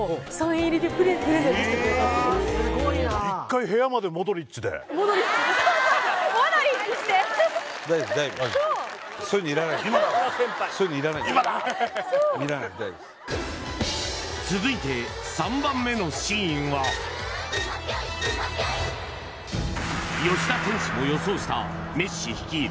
要らないの大丈夫です続いて３番目のシーンは吉田選手も予想したメッシ率いる